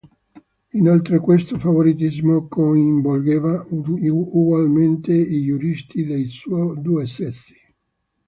Inoltre questo favoritismo coinvolgeva ugualmente i giuristi dei due sessi.